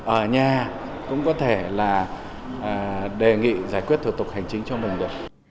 ở nhà cũng có thể là đề nghị giải quyết thủ tục hành chính cho mình được